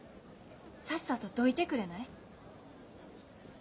さっさとどいてくれない？